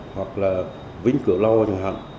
hoặc là vĩnh cửa lo chẳng hạn